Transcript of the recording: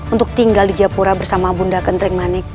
untuk tinggal di japura bersama bunda kentrik manik